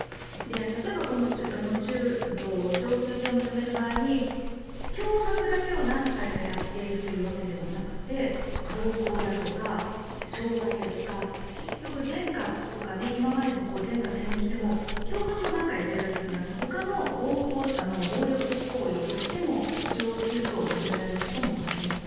例えば常習性を認める場合に脅迫だけを何回かやっているということではなくて暴行だとか傷害だとか結局、前科とか今までの前科前歴で脅迫を何回かやっているだけじゃなくてほかの暴力的行為をやっても常習と認められることもあります。